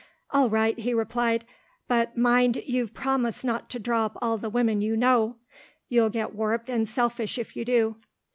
"All right," he replied, "but mind you've promised not to drop all the women you know. You'll get warped and selfish, if you do."